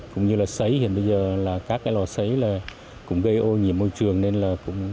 cũng như là xấy hiện bây giờ là các cái lò xấy là cũng gây ô nhiễm môi trường